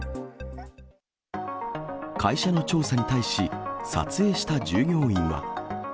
会社の調査に対し、撮影した従業員は。